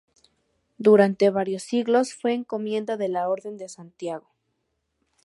Durante varios siglos fue una Encomienda de la Orden de Santiago.